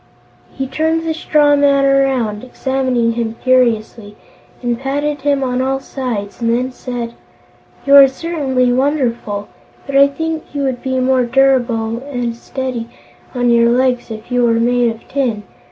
He turned the straw man around, examining him curiously, and patted him on all sides, and then said: "You are certainly wonderful, but I think you would be more durable and steady on your legs if you were made of tin.